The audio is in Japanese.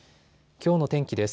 きょうの天気です。